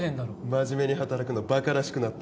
真面目に働くのばからしくなった？